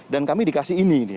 dan kami dikasih ini